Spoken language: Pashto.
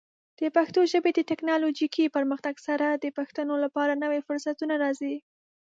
د پښتو ژبې د ټیکنالوجیکي پرمختګ سره، د پښتنو لپاره نوې فرصتونه راځي.